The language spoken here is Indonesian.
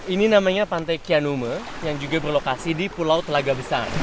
ini namanya pantai kianume yang juga berlokasi di pulau telaga besar